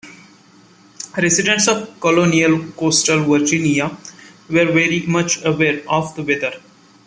Residents of colonial coastal Virginia were very much aware of the weather.